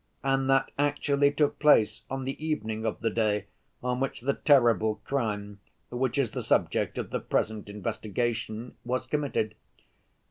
And that actually took place on the evening of the day on which the terrible crime, which is the subject of the present investigation, was committed.